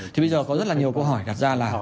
thì bây giờ có rất là nhiều câu hỏi đặt ra là